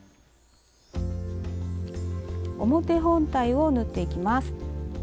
表本体を縫っていきます。